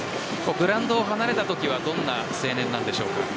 グラウンドを離れたときはどんな青年なんでしょうか？